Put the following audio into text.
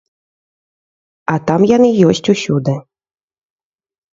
А там яны ёсць усюды.